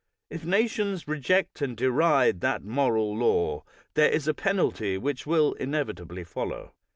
If nations reject and deride that moral law, there is a penalty which will inevitably follow.